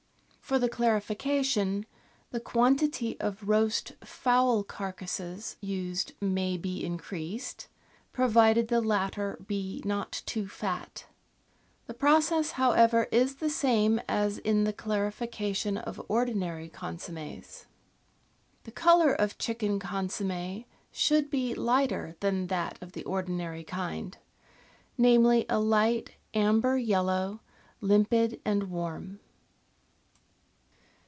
For the clarification, the quantity of roast fowl carcases used may be increased, provided the latter be not too fat. The process, however, is the same as in the clarification of ordinary consommds. The colour of chicken consomm6 should be lighter than that of the ordinary kind — namely, a light, amber yellow, limpid and warm.